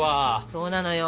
そうなのよ！